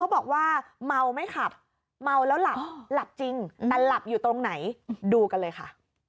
บอกว่าเมาไม่ขับเมาแล้วหลับหลับจริงแต่หลับอยู่ตรงไหนดูกันเลยค่ะ